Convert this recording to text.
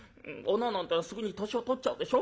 女なんてすぐに年を取っちゃうでしょ。